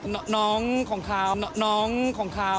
เราสนิกกันเกินไป